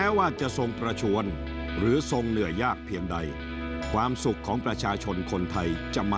แม้ว่าจะทรงประชวนหรือทรงเหนือยากเพียงใด